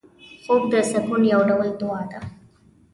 خوب د سکون یو ډول دعا ده